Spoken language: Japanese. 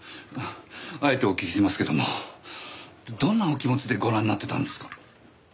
あえてお聞きしますけどもどんなお気持ちでご覧になってたんですか？